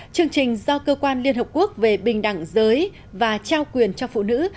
chương trình do cơ quan liên hợp quốc về bình đẳng giới và trao quyền cho phụ nữ